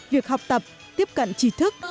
việc học tập tiếp cận trí thức